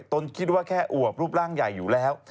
ตนคิดว่าแค่อวบรูปร่างใหญ่อยู่แล้ว